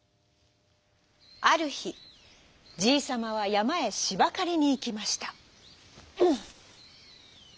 あるひじいさまはやまへしばかりにいきました。